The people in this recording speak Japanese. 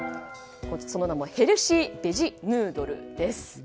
その名もヘルシーベジヌードルです。